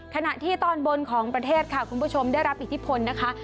ขณะที่ตอนบนของประเทศค่ะคุณผู้ชมได้รับอิทธิพลนะคะ